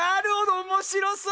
おもしろそう！